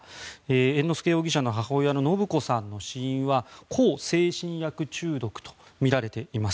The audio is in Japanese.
猿之助容疑者の母親の延子さんの死因は向精神薬中毒とみられています。